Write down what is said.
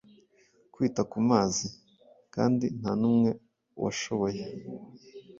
Kwita ku mazi? Kandi nta numwe washoboye